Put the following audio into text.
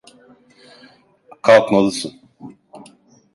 Kalkmalısın.